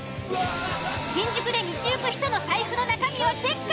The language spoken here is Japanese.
新宿で道行く人の財布の中身をチェック！